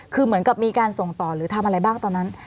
คือเหมือนกับมีการส่งต่อหรือทำอะไรบ้างตอนนั้น